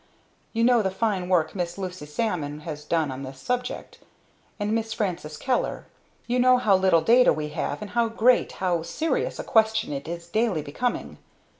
You know the fine work Miss Lucy Salmon has done on this subject; and Miss Frances Kellor. You know how little data we have, and how great, how serious, a question it is daily becoming!